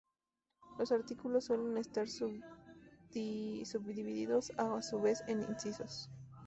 Los artículos suelen estar subdivididos a su vez en incisos.